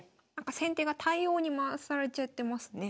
先手が対応に回されちゃってますね。